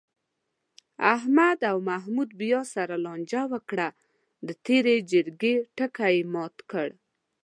احمد او محمود بیا سره لانجه وکړه، د تېرې جرگې ټکی یې مات کړ.